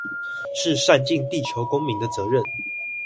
是善盡地球公民的責任